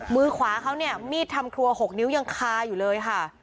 มือขวาเขาเนี่ยมีดทำครัว๖นิ้วยังคาอยู่เลยค่ะ